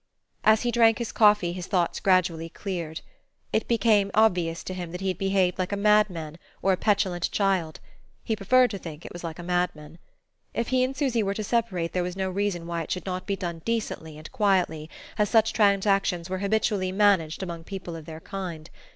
As he drank his coffee his thoughts gradually cleared. It became obvious to him that he had behaved like a madman or a petulant child he preferred to think it was like a madman. If he and Susy were to separate there was no reason why it should not be done decently and quietly, as such transactions were habitually managed among people of their kind.